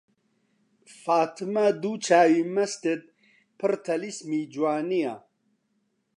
فاتمە دوو چاوی مەستت پڕ تەلیسمی جوانییە